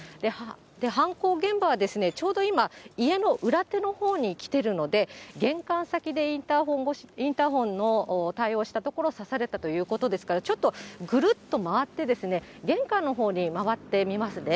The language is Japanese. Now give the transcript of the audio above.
犯行現場はちょうど今、家の裏手の方に来てるので、玄関先でインターホンの対応したところ、刺されたということですから、ちょっとぐるっとまわって、玄関のほうに回ってみますね。